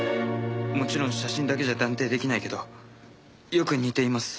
もちろん写真だけじゃ断定出来ないけどよく似ています。